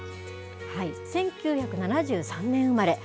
１９７３年生まれ。